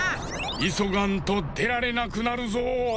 いそがんとでられなくなるぞ！